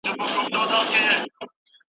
سوې پښې او وزرونه